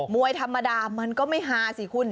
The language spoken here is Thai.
วยธรรมดามันก็ไม่ฮาสิคุณ